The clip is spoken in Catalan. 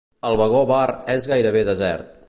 El vagó-bar és gairebé desert.